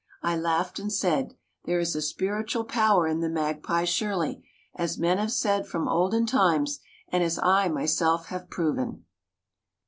I laughed and said, "There is a spiritual power in the magpie surely, as men have said from olden times and as I myself have proven."